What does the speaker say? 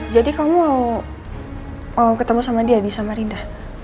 jadi kamu mau ketemu sama dia di samarinda